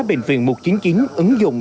bệnh viện một trăm chín mươi chín ứng dụng